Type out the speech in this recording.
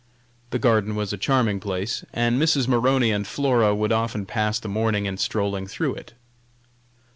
The garden was a charming place, and Mrs. Maroney and Flora would often pass the morning in strolling through it.